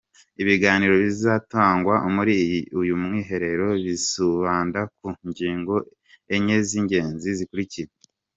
Ibiganiro bizatangwa muri iyi uyu mwiherero bizibanda ku ngingo enye z’ingenzi zikurikira:.